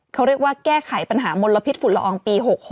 เขาเรียกว่าแก้ไขปัญหามลพิษฝุ่นละอองปี๖๖